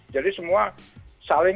jadi semua saling